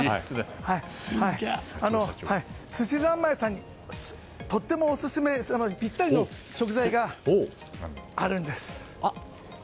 すしざんまいさんにとってもオススメぴったりの食材があるんです。